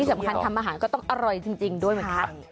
สำคัญทำอาหารก็ต้องอร่อยจริงด้วยเหมือนกัน